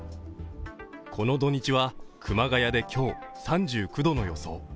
この土日は熊谷で今日、３９度の予想